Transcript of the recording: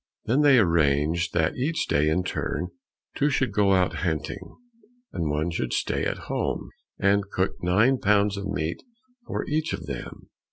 Then they arranged that each day, in turn, two should go out hunting, and one should stay at home, and cook nine pounds of meat for each of them.